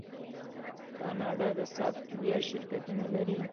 کاناډا د سافټویر شرکتونه لري.